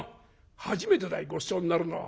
初めてだいごちそうになるのは。